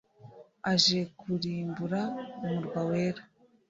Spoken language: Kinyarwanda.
aje kurimbura umurwa wera